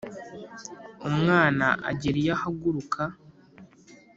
umwana agera iyo ahaguruka;